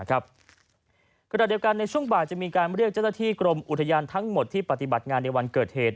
ขณะเดียวกันในช่วงบ่ายจะมีการเรียกเจ้าหน้าที่กรมอุทยานทั้งหมดที่ปฏิบัติงานในวันเกิดเหตุ